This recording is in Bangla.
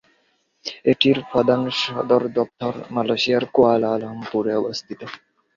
এটির প্রধান সদরদপ্তর মালয়েশিয়ার কুয়ালালামপুরে অবস্থিত।